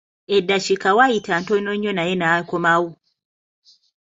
Eddakiika wayita ntono nnyo naye n'akomawo.